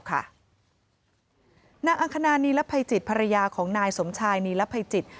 นางอังคณานีรภัยจิตภรรยาของนายสมชายนีรภัยจิต